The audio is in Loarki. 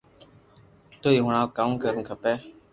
تو ھي ھڻاو ڪاو ڪروُ کپي